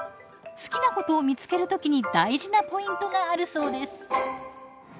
好きなことを見つける時に大事なポイントがあるそうです。